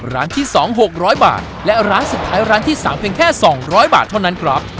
ร้านที่๒๖๐๐บาทและร้านสุดท้ายร้านที่๓เพียงแค่๒๐๐บาทเท่านั้นครับ